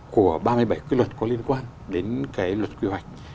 của ba mươi bảy quy luật có liên quan đến cái luật quy hoạch